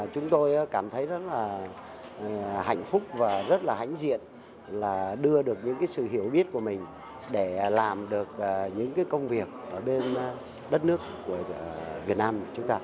chúng tôi cảm thấy rất là hạnh phúc và rất là hãnh diện là đưa được những sự hiểu biết của mình để làm được những công việc ở bên đất nước của việt nam chúng ta